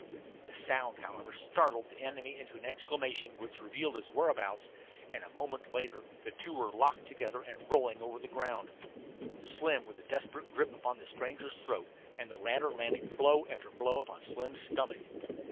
The sound, however, startled the enemy into an exclamation which revealed his whereabouts, and a moment later the two were locked together and rolling over the ground, Slim with a desperate grip upon the stranger's throat, and the latter landing blow after blow upon Slim's stomach.